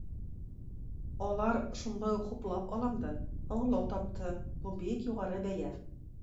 Алар шунда ук хуплап алынды, аңлау тапты, бу бик югары бәя.